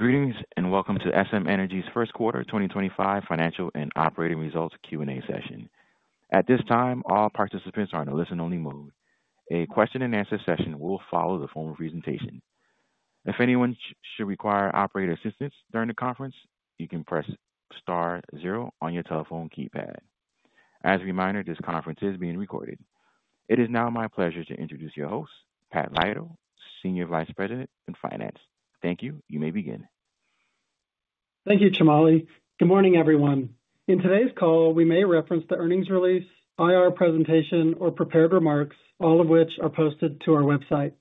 Greetings and welcome to SM Energy's first quarter 2025 financial and operating results Q&A session. At this time, all participants are in a listen-only mode. A question-and-answer session will follow the formal presentation. If anyone should require operator assistance during the conference, you can press star zero on your telephone keypad. As a reminder, this conference is being recorded. It is now my pleasure to introduce your host, Pat Lytle, Senior Vice President in Finance. Thank you. You may begin. Thank you, Jamali. Good morning, everyone. In today's call, we may reference the earnings release, IR presentation, or prepared remarks, all of which are posted to our website.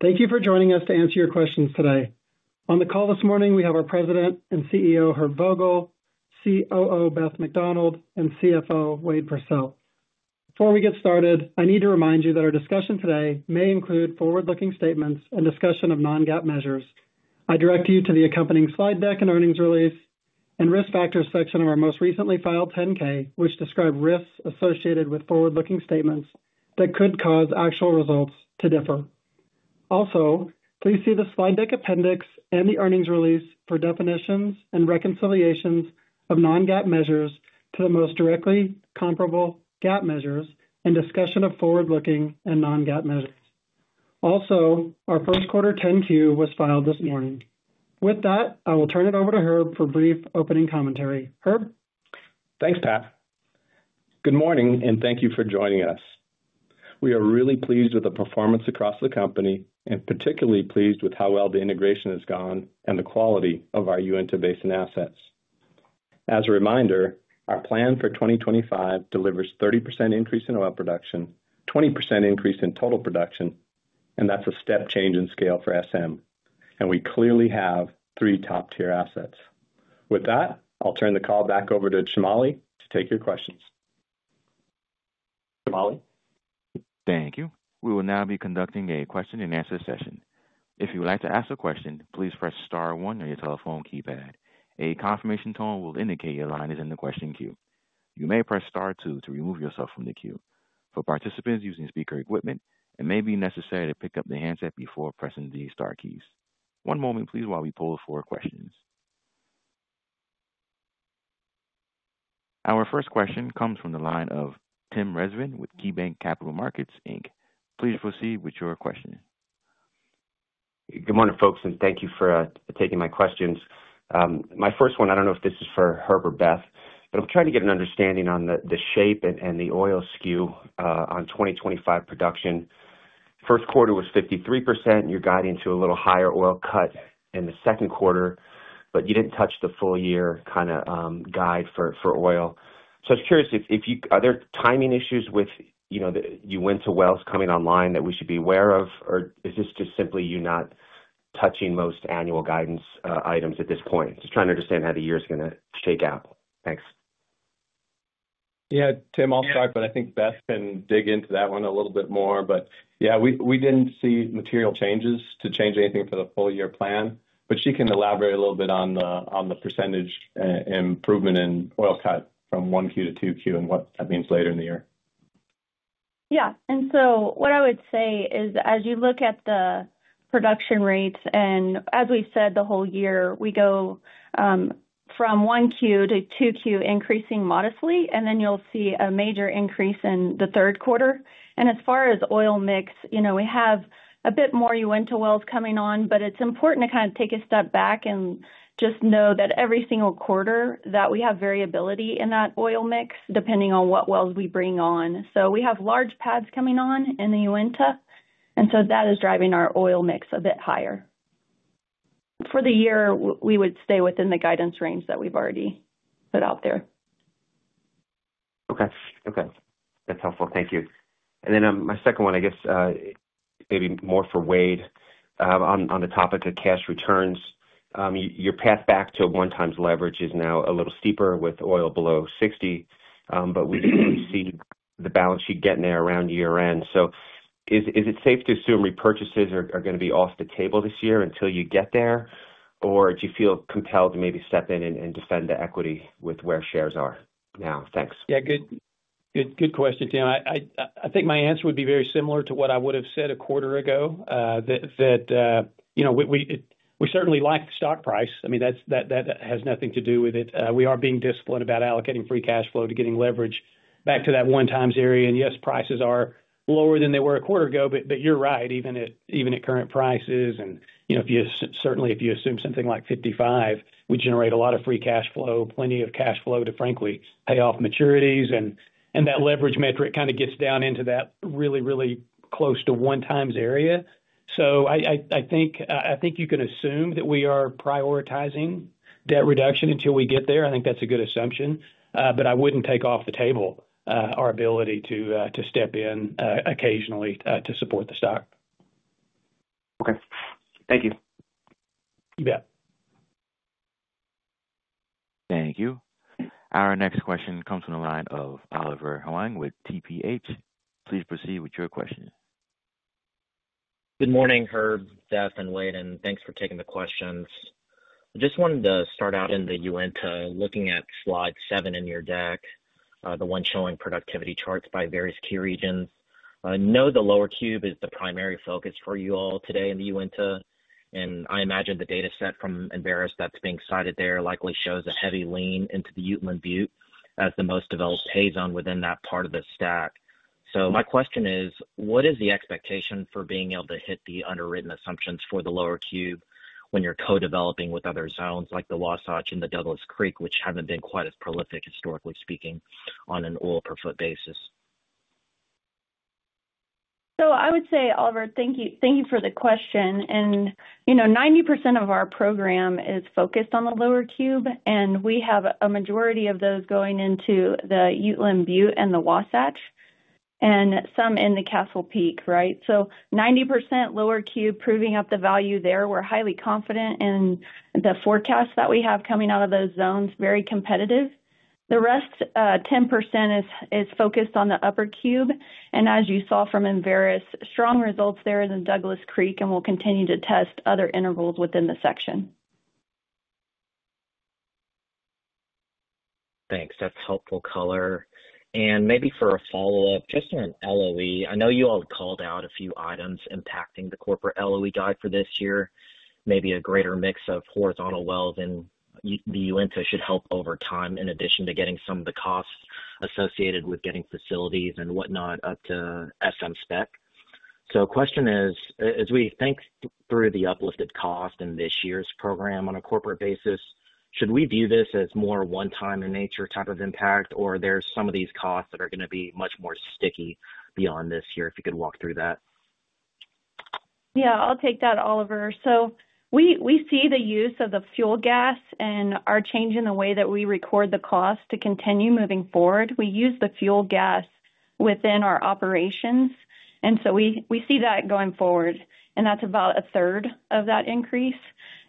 Thank you for joining us to answer your questions today. On the call this morning, we have our President and CEO, Herb Vogel, COO, Beth McDonald, and CFO, Wade Pursell. Before we get started, I need to remind you that our discussion today may include forward-looking statements and discussion of non-GAAP measures. I direct you to the accompanying slide deck and earnings release and risk factors section of our most recently filed 10-K, which describe risks associated with forward-looking statements that could cause actual results to differ. Also, please see the slide deck appendix and the earnings release for definitions and reconciliations of non-GAAP measures to the most directly comparable GAAP measures and discussion of forward-looking and non-GAAP measures. Also, our Q1 10-Q was filed this morning. With that, I will turn it over to Herb for brief opening commentary. Herb. Thanks, Pat. Good morning, and thank you for joining us. We are really pleased with the performance across the company and particularly pleased with how well the integration has gone and the quality of our Uinta Basin assets. As a reminder, our plan for 2025 delivers a 30% increase in oil production, a 20% increase in total production, and that's a step change in scale for SM. We clearly have three top-tier assets. With that, I'll turn the call back over to Jamali to take your questions. Jamali. Thank you. We will now be conducting a question-and-answer session. If you would like to ask a question, please press star one on your telephone keypad. A confirmation tone will indicate your line is in the question queue. You may press star two to remove yourself from the queue. For participants using speaker equipment, it may be necessary to pick up the handset before pressing the star keys. One moment, please, while we pull for questions. Our first question comes from the line of Tim Rezvan with KeyBank Capital Markets. Please proceed with your question. Good morning, folks, and thank you for taking my questions. My first one, I do not know if this is for Herb or Beth, but I am trying to get an understanding on the shape and the oil skew on 2025 production. First quarter was 53%. You are guiding to a little higher oil cut in the second quarter, but you did not touch the full-year kind of guide for oil. I was curious if there are timing issues with Uinta wells coming online that we should be aware of, or is this just simply you not touching most annual guidance items at this point? Just trying to understand how the year is going to shake out. Thanks. Yeah, Tim, I'll start, but I think Beth can dig into that one a little bit more. Yeah, we didn't see material changes to change anything for the full-year plan, but she can elaborate a little bit on the percentage improvement in oil cut from Q1 to Q2 and what that means later in the year. Yeah. What I would say is, as you look at the production rates, and as we've said the whole year, we go from Q1 to Q2, increasing modestly, and then you'll see a major increase in the Q3. As far as oil mix, you know we have a bit more Uinta wells coming on, but it's important to kind of take a step back and just know that every single quarter that we have variability in that oil mix depending on what wells we bring on. We have large pads coming on in the Uinta, and that is driving our oil mix a bit higher. For the year, we would stay within the guidance range that we've already put out there. Okay. Okay. That's helpful. Thank you. My second one, I guess maybe more for Wade on the topic of cash returns. Your path back to one-time leverage is now a little steeper with oil below $60, but we see the balance sheet getting there around year-end. Is it safe to assume repurchases are going to be off the table this year until you get there, or do you feel compelled to maybe step in and defend the equity with where shares are now? Thanks. Yeah, good. Good question, Tim. I think my answer would be very similar to what I would have said a quarter ago, that we certainly like the stock price. I mean, that has nothing to do with it. We are being disciplined about allocating free cash flow to getting leverage back to that one-time area. Yes, prices are lower than they were a quarter ago, but you're right, even at current prices. Certainly, if you assume something like $55, we generate a lot of free cash flow, plenty of cash flow to, frankly, pay off maturities. That leverage metric kind of gets down into that really, really close to one-time area. I think you can assume that we are prioritizing debt reduction until we get there. I think that's a good assumption, but I wouldn't take off the table our ability to step in occasionally to support the stock. Okay. Thank you. You bet. Thank you. Our next question comes from the line of Oliver Huang with TPH. Please proceed with your question. Good morning, Herb, Beth, and Wade. Thanks for taking the questions. I just wanted to start out in the Uinta, looking at slide seven in your deck, the one showing productivity charts by various key regions. I know the Lower Cube is the primary focus for you all today in the Uinta, and I imagine the data set from Enverus that's being cited there likely shows a heavy lean into the Uteland Butte as the most developed horizon within that part of the stack. My question is, what is the expectation for being able to hit the underwritten assumptions for the Lower Cube when you're co-developing with other zones like the Wasatch and the Douglas Creek, which haven't been quite as prolific, historically speaking, on an oil-per-foot basis? I would say, Oliver, thank you for the question. 90% of our program is focused on the Lower Cube, and we have a majority of those going into the Uteland Butte and the Wasatch and some in the Castle Peak, right? 90% Lower Cube proving up the value there. We're highly confident in the forecast that we have coming out of those zones, very competitive. The rest 10% is focused on the Upper Cube. As you saw from Enverus, strong results there in the Douglas Creek, and we'll continue to test other intervals within the section. Thanks. That's helpful color. Maybe for a follow-up, just on LOE, I know you all called out a few items impacting the corporate LOE guide for this year. Maybe a greater mix of horizontal wells in the Uinta should help over time in addition to getting some of the costs associated with getting facilities and whatnot up to SM spec. The question is, as we think through the uplifted cost in this year's program on a corporate basis, should we view this as more one-time in nature type of impact, or are there some of these costs that are going to be much more sticky beyond this year if you could walk through that? Yeah, I'll take that, Oliver. We see the use of the fuel gas and our change in the way that we record the cost to continue moving forward. We use the fuel gas within our operations, and we see that going forward, and that's about a third of that increase.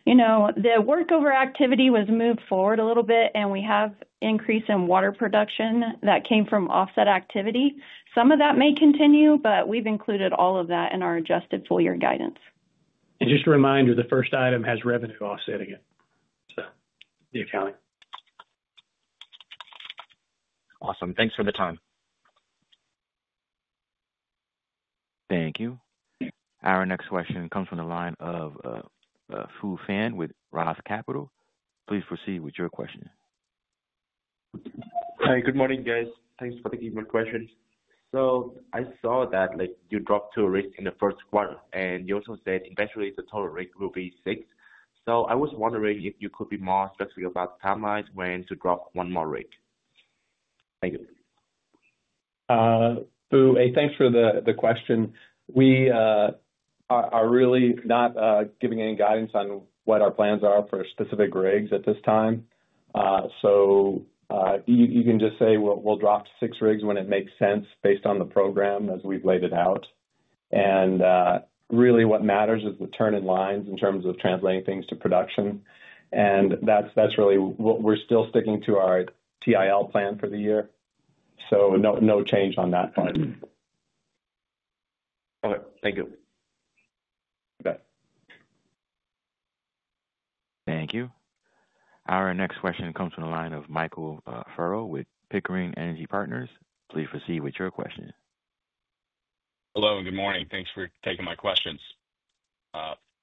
You know, the workover activity was moved forward a little bit, and we have an increase in water production that came from offset activity. Some of that may continue, but we've included all of that in our adjusted full-year guidance. Just a reminder, the first item has revenue offsetting it, so the accounting. Awesome. Thanks for the time. Thank you. Our next question comes from the line of Phu Pham with Roth Capital. Please proceed with your question. Hi, good morning, guys. Thanks for the KeyBank questions. I saw that you dropped two rigs in the Q1, and you also said eventually the total rig count will be six. I was wondering if you could be more specific about timelines when to drop one more rig. Thank you. Fu, thanks for the question. We are really not giving any guidance on what our plans are for specific rigs at this time. You can just say we'll drop six rigs when it makes sense based on the program as we've laid it out. What matters is the turn in lines in terms of translating things to production. That's really what we're still sticking to, our TIL plan for the year. No change on that part. All right. Thank you. Bye. Thank you. Our next question comes from the line of Michael Furrow with Pickering Energy Partners. Please proceed with your question. Hello, and good morning. Thanks for taking my questions.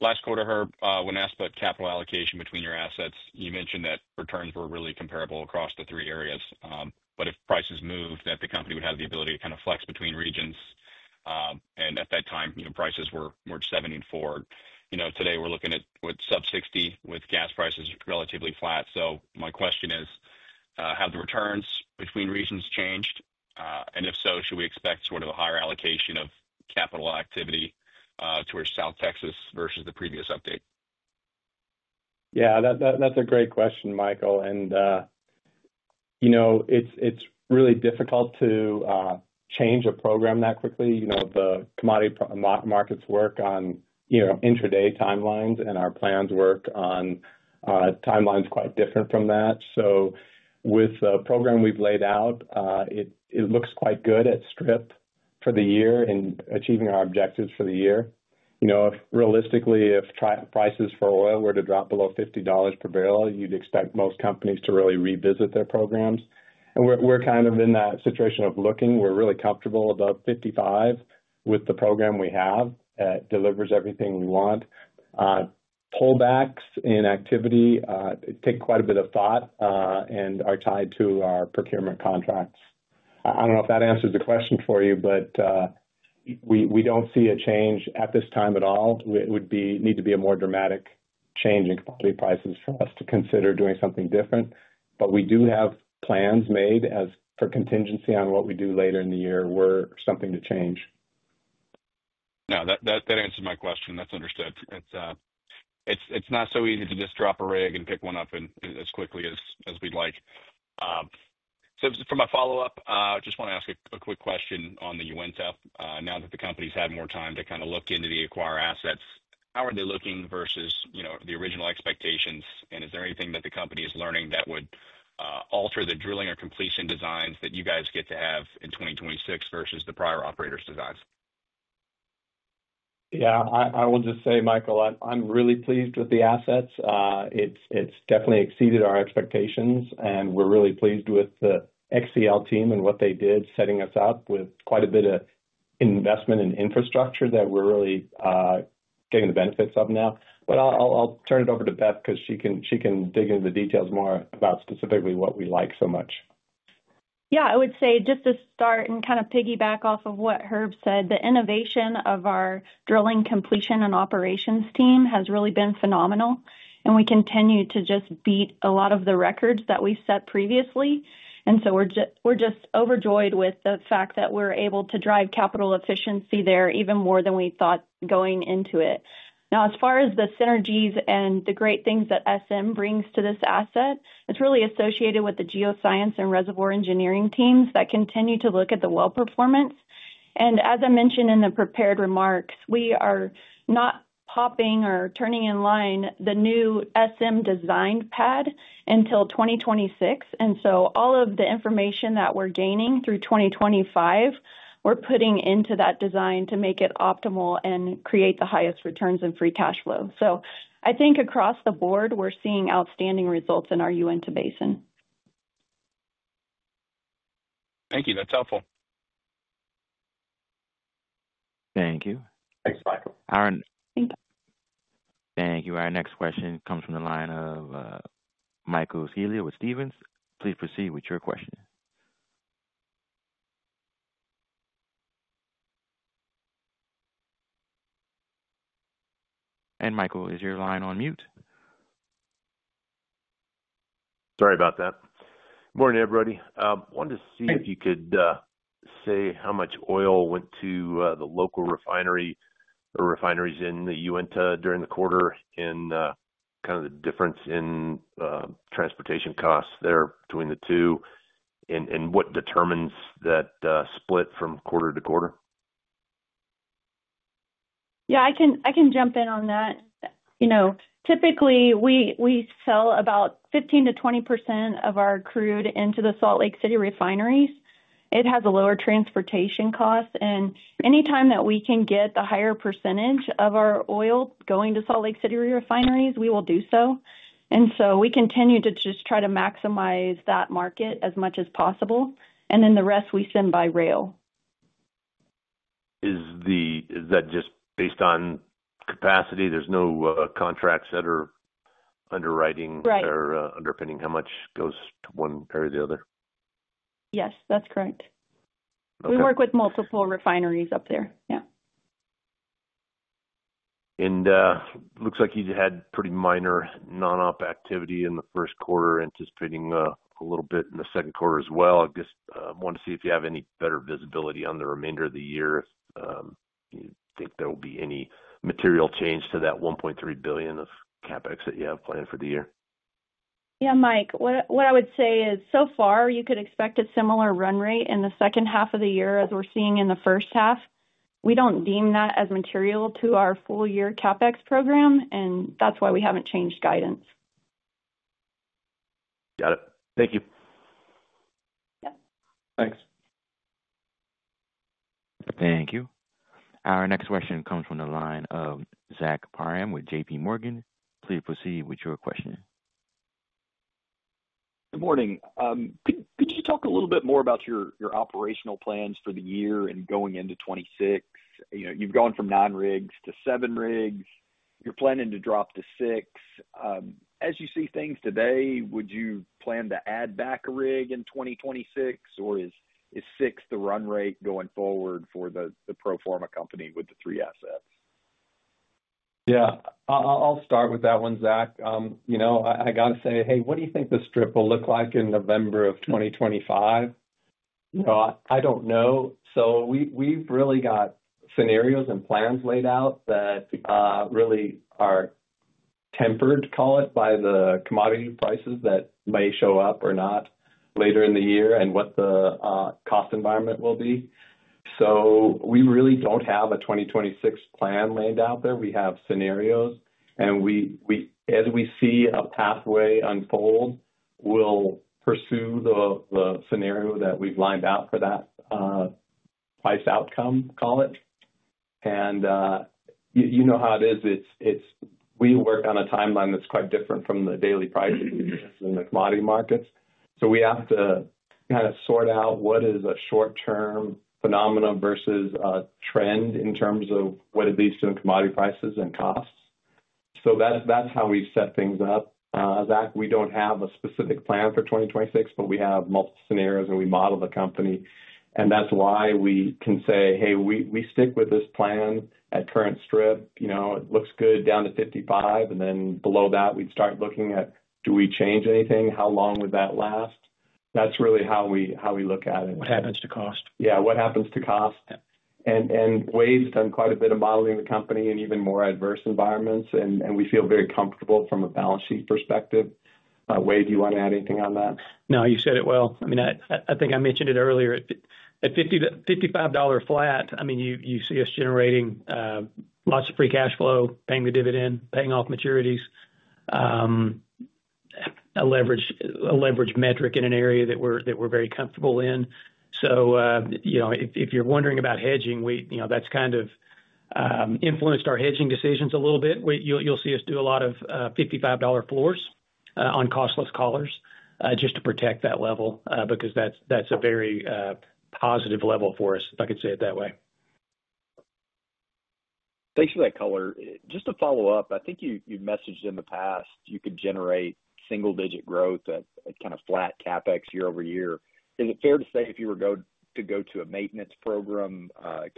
Last quarter, Herb, when asked about capital allocation between your assets, you mentioned that returns were really comparable across the three areas. If prices moved, the company would have the ability to kind of flex between regions. At that time, prices were $70 and $4. Today, we're looking at sub-$60 with gas prices relatively flat. My question is, have the returns between regions changed? If so, should we expect sort of a higher allocation of capital activity towards South Texas versus the previous update? Yeah, that's a great question, Michael. You know it's really difficult to change a program that quickly. You know the commodity markets work on intraday timelines, and our plans work on timelines quite different from that. With the program we've laid out, it looks quite good at strip for the year and achieving our objectives for the year. You know, realistically, if prices for oil were to drop below $50 per barrel, you'd expect most companies to really revisit their programs. We're kind of in that situation of looking. We're really comfortable above $55 with the program we have that delivers everything we want. Pullbacks in activity take quite a bit of thought and are tied to our procurement contracts. I don't know if that answers the question for you, but we don't see a change at this time at all. It would need to be a more dramatic change in commodity prices for us to consider doing something different. We do have plans made as for contingency on what we do later in the year or something to change. No, that answers my question. That's understood. It's not so easy to just drop a rig and pick one up as quickly as we'd like. For my follow-up, I just want to ask a quick question on the Uinta. Now that the company's had more time to kind of look into the acquired assets, how are they looking versus the original expectations? Is there anything that the company is learning that would alter the drilling or completion designs that you guys get to have in 2026 versus the prior operators' designs? Yeah, I will just say, Michael, I'm really pleased with the assets. It's definitely exceeded our expectations, and we're really pleased with the XCL team and what they did setting us up with quite a bit of investment and infrastructure that we're really getting the benefits of now. I will turn it over to Beth because she can dig into the details more about specifically what we like so much. Yeah, I would say just to start and kind of piggyback off of what Herb said, the innovation of our drilling completion and operations team has really been phenomenal, and we continue to just beat a lot of the records that we set previously. We are just overjoyed with the fact that we're able to drive capital efficiency there even more than we thought going into it. Now, as far as the synergies and the great things that SM brings to this asset, it's really associated with the geoscience and reservoir engineering teams that continue to look at the well performance. As I mentioned in the prepared remarks, we are not popping or turning in line the new SM design pad until 2026. All of the information that we're gaining through 2025, we're putting into that design to make it optimal and create the highest returns and free cash flow. I think across the board, we're seeing outstanding results in our Uinta Basin. Thank you. That's helpful. Thank you. Thanks, Michael. Our. Thank you. Thank you. Our next question comes from the line of Michael Scialla with Stephens. Please proceed with your question. Michael, is your line on mute? Sorry about that. Good morning, everybody. I wanted to see if you could say how much oil went to the local refinery or refineries in the Uinta during the quarter and kind of the difference in transportation costs there between the two and what determines that split from quarter to quarter. Yeah, I can jump in on that. You know, typically, we sell about 15%-20% of our crude into the Salt Lake City refineries. It has a lower transportation cost. Anytime that we can get the higher percentage of our oil going to Salt Lake City refineries, we will do so. We continue to just try to maximize that market as much as possible. The rest, we send by rail. Is that just based on capacity? There's no contracts that are underwriting or underpinning how much goes to one or the other? Yes, that's correct. We work with multiple refineries up there. Yeah. It looks like you had pretty minor non-op activity in the first quarter, anticipating a little bit in the second quarter as well. I just want to see if you have any better visibility on the remainder of the year. Do you think there will be any material change to that $1.3 billion of CapEx that you have planned for the year? Yeah, Mike, what I would say is so far, you could expect a similar run rate in the second half of the year as we're seeing in the first half. We don't deem that as material to our full-year CapEx program, and that's why we haven't changed guidance. Got it. Thank you. Yep. Thanks. Thank you. Our next question comes from the line of Zach Parham with JPMorgan. Please proceed with your question. Good morning. Could you talk a little bit more about your operational plans for the year and going into 2026? You've gone from nine rigs to seven rigs. You're planning to drop to six. As you see things today, would you plan to add back a rig in 2026, or is six the run rate going forward for the pro forma company with the three assets? Yeah, I'll start with that one, Zach. You know, I got to say, hey, what do you think the strip will look like in November of 2025? You know, I don't know. We have really got scenarios and plans laid out that really are tempered, call it, by the commodity prices that may show up or not later in the year and what the cost environment will be. We really do not have a 2026 plan laid out there. We have scenarios. As we see a pathway unfold, we will pursue the scenario that we have lined out for that price outcome, call it. You know how it is. We work on a timeline that is quite different from the daily prices in the commodity markets. We have to kind of sort out what is a short-term phenomenon versus a trend in terms of what it leads to in commodity prices and costs. That is how we set things up. Zach, we do not have a specific plan for 2026, but we have multiple scenarios and we model the company. That is why we can say, hey, we stick with this plan at current strip. You know, it looks good down to $55, and then below that, we would start looking at do we change anything? How long would that last? That is really how we look at it. What happens to cost? Yeah, what happens to cost? Wade's done quite a bit of modeling the company in even more adverse environments, and we feel very comfortable from a balance sheet perspective. Wade, do you want to add anything on that? No, you said it well. I mean, I think I mentioned it earlier. At $55 flat, I mean, you see us generating lots of free cash flow, paying the dividend, paying off maturities. A leverage metric in an area that we're very comfortable in. You know, if you're wondering about hedging, that's kind of influenced our hedging decisions a little bit. You'll see us do a lot of $55 floors on costless collars just to protect that level because that's a very positive level for us, if I could say it that way. Thanks for that color. Just to follow up, I think you've messaged in the past you could generate single-digit growth at kind of flat CapEx year-over-year. Is it fair to say if you were to go to a maintenance program,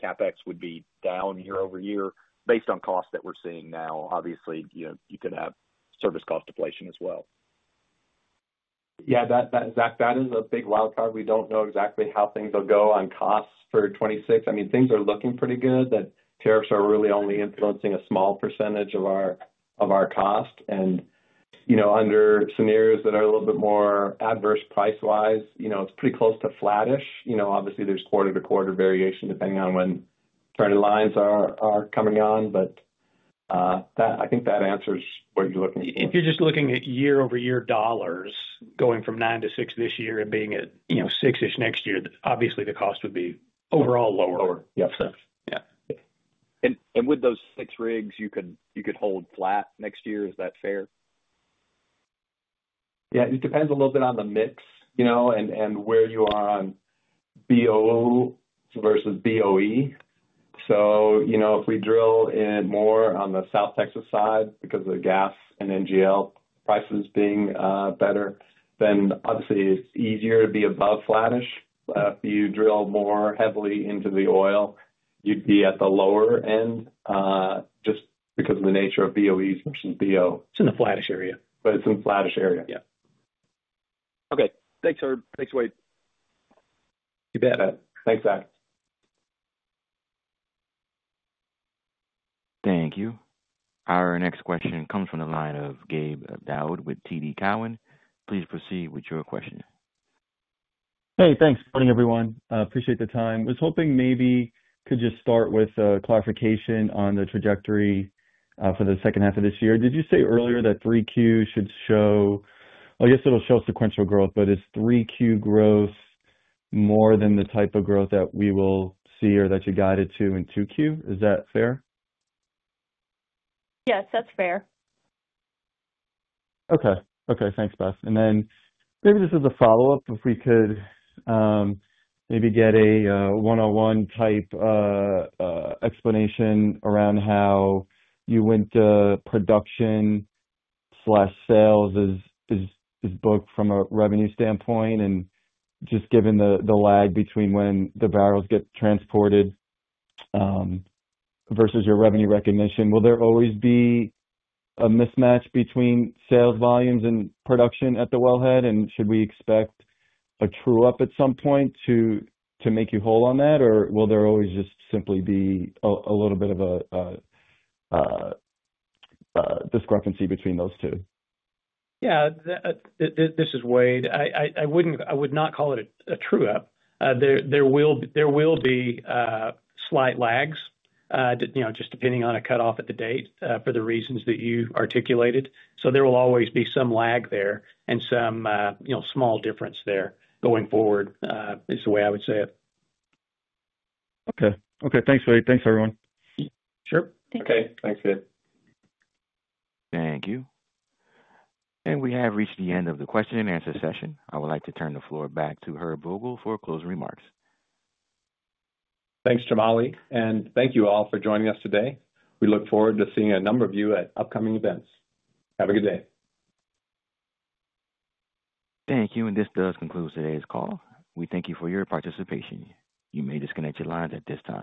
CapEx would be down year over year based on costs that we're seeing now? Obviously, you could have service cost deflation as well. Yeah, Zach, that is a big wildcard. We do not know exactly how things will go on costs for 2026. I mean, things are looking pretty good. The tariffs are really only influencing a small percentage of our cost. You know, under scenarios that are a little bit more adverse price-wise, you know, it is pretty close to flattish. You know, obviously, there is quarter-to-quarter variation depending on when turn-in-lines are coming on. I think that answers what you are looking for. If you're just looking at year-over-year dollars going from nine to six this year and being at six-ish next year, obviously, the cost would be overall lower. Lower. Yep. With those six rigs, you could hold flat next year. Is that fair? Yeah, it depends a little bit on the mix, you know, and where you are on BOO versus BOE. You know, if we drill more on the South Texas side because of the gas and NGL prices being better, then obviously, it's easier to be above flattish. If you drill more heavily into the oil, you'd be at the lower end just because of the nature of BOEs versus BOO. It's in the flattish area. It's in the flattish area. Yeah. Okay. Thanks, Herb. Thanks, Wade. You bet. Thanks, Zach. Thank you. Our next question comes from the line of Gabe Daoud with TD Cowen. Please proceed with your question. Hey, thanks. Good morning, everyone. Appreciate the time. I was hoping maybe could just start with a clarification on the trajectory for the second half of this year. Did you say earlier that Q3 should show, I guess it'll show sequential growth, but is Q3 growth more than the type of growth that we will see or that you guided to in Q2? Is that fair? Yes, that's fair. Okay. Okay. Thanks, Beth. Maybe this is a follow-up. If we could maybe get a one-on-one type explanation around how you went to production/sales is booked from a revenue standpoint and just given the lag between when the barrels get transported versus your revenue recognition, will there always be a mismatch between sales volumes and production at the wellhead? Should we expect a true-up at some point to make you whole on that, or will there always just simply be a little bit of a discrepancy between those two? Yeah, this is Wade. I would not call it a true-up. There will be slight lags, you know, just depending on a cutoff at the date for the reasons that you articulated. There will always be some lag there and some small difference there going forward is the way I would say it. Okay. Okay. Thanks, Wade. Thanks, everyone. Sure. Thank you. Okay. Thanks, Gabe. Thank you. We have reached the end of the question-and-answer session. I would like to turn the floor back to Herb Vogel for closing remarks. Thanks, Jamali. Thank you all for joining us today. We look forward to seeing a number of you at upcoming events. Have a good day. Thank you. This does conclude today's call. We thank you for your participation. You may disconnect your lines at this time.